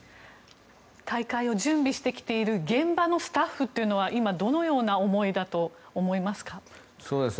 大会を準備してきている現場のスタッフというのは今、どのような思いだと思いますか？